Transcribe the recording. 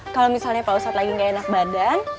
kalau misalnya pak ustadz lagi gak enak badan